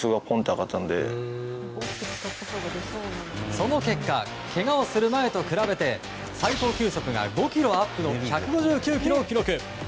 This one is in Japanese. その結果けがをする前と比べて最高球速が５キロアップの１５９キロを記録。